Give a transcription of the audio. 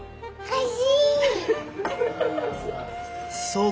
はい。